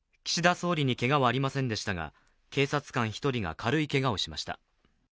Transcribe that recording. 総理にけがはありませんでしたが、警察官１人が軽いけがをしました。